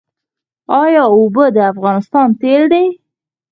آیا اوبه د افغانستان تیل دي؟